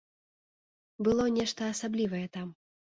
Было нешта асаблівае там.